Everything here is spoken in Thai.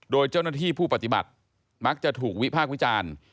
โดยเจ้าหน้าที่ผู้ปฏิบัติมักจะถูกวิพากษ์วิจารณ์